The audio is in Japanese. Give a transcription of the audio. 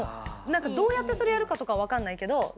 どうやってそれやるかとかはわかんないけど。